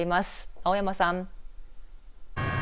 青山さん。